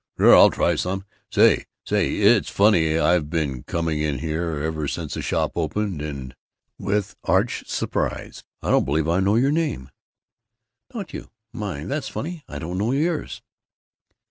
"Sure, I'll try some. Say Say, it's funny; I've been coming here ever since the shop opened and " With arch surprise. " I don't believe I know your name!" "Don't you? My, that's funny! I don't know yours!"